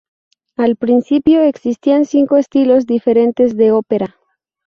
Al principio existían cinco estilos diferentes de ópera.